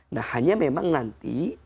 nah hanya memang nanti